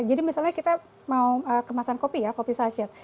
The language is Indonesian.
jadi misalnya kita mau kemasan kopi ya kopi sachet